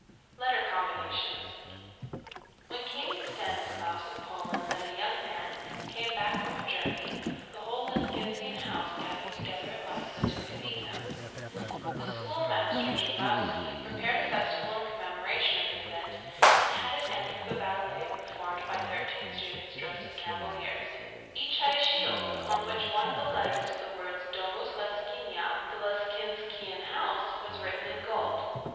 LETTER COMBINATIONS. When King Stanislaus of Poland, then a young man, came back from a journey, the whole Lescinskian House gathered together at Lissa to receive him. The schoolmaster, Jablowsky, prepared a festival in commemoration of the event, and had it end with a ballet performed by thirteen students, dressed as cavaliers. Each had a shield, upon which one of the letters of the words "Domus Lescinia" (The Lescinskian House) was written in gold.